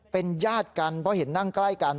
เป็นญาติกันเพราะเห็นนั่งใกล้กัน